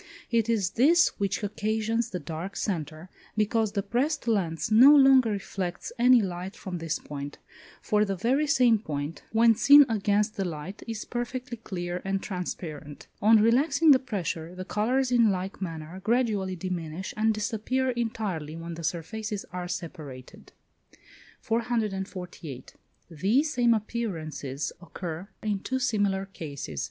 It is this which occasions the dark centre, because the pressed lens no longer reflects any light from this point, for the very same point, when seen against the light, is perfectly clear and transparent. On relaxing the pressure, the colours, in like manner, gradually diminish, and disappear entirely when the surfaces are separated. 448. These same appearances occur in two similar cases.